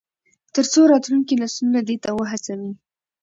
تر څو راتلونکي نسلونه دې ته وهڅوي.